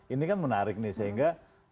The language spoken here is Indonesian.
ini kan menarik nih sehingga